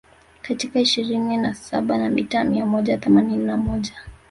kata ishirini na saba na mitaa mia moja themanini na moja